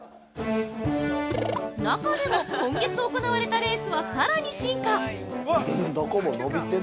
◆中でも、今月行われたレースはさらに進化。